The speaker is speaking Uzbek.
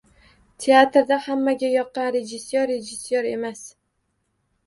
Teatrda hammaga yoqqan rejissyor, rejissyor emas.